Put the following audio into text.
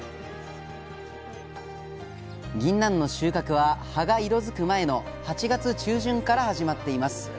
ぎんなんの収穫は葉が色づく前の８月中旬から始まっています。